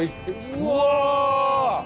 うわ！